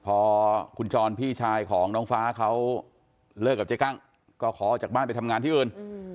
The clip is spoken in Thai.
พอคุณจรพี่ชายของน้องฟ้าเขาเลิกกับเจ๊กั้งก็ขอออกจากบ้านไปทำงานที่อื่น